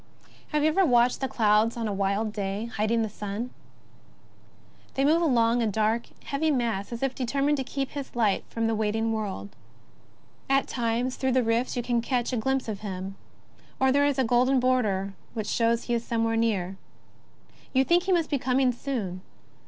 Have you ever watched the clouds on a wild day hid ing the sun ? They move along, a dark, heavy mass, as if determined to keep his light from the waiting world. "* At times, through the rifts, you catch a glimpse of him ; or there is a golden border which shows he is somewhere near. You think he must be coming soon.